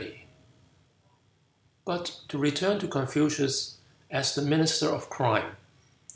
But to return to Confucius as the Minister of Crime.